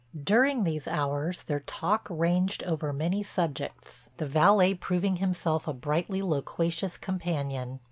During these hours their talk ranged over many subjects, the valet proving himself a brightly loquacious companion.